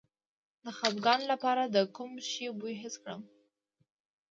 د خپګان لپاره د کوم شي بوی حس کړم؟